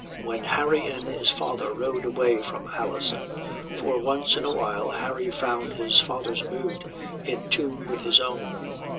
When Harry and his father rode away from Alison, for once in a while Harry found his father's mood in tune with his own.